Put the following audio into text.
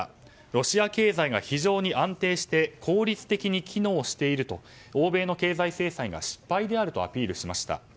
ロシア経済が非常に安定して効率的に機能していると欧米の経済制裁が失敗であるとアピールしました。